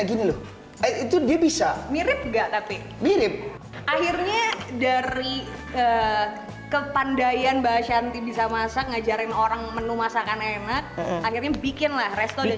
secosesnya dari kepandaian bahasa indonesia masak ngajarin orang menu masakan enak akhirnya bikinlah